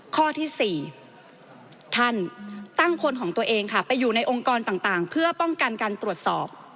ข้อที่๔ท่านตั้งคนของตัวเองค่ะไปอยู่ในองค์กรต่างเพื่อป้องกันการตรวจสอบ